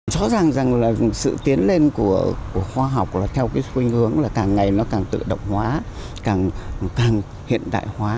chó rằng là sự tiến lên của khoa học là theo cái suy hướng là càng ngày nó càng tự động hóa càng hiện đại hóa